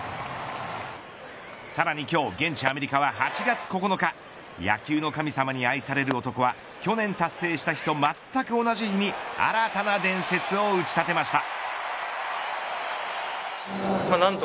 さらに今日現地アメリカは８月９日野球の神様に愛される男は去年達成した日とまったく同じ日に新たな伝説を打ち立てました。